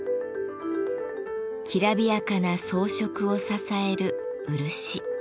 きらびやかな装飾を支える漆。